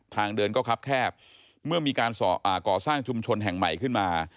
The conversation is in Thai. ทางเดินก็ครับแคบเมื่อมีการก่อสร้างชุมชนแห่งใหม่ขึ้นมา